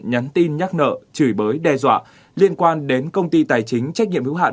nhắn tin nhắc nợ chửi bới đe dọa liên quan đến công ty tài chính trách nhiệm hữu hạn